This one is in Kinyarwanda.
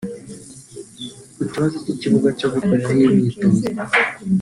Ku kibazo cy’ikibuga cyo gukoreraho imyitozo